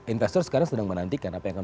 investor sekarang sedang menantikan apa yang akan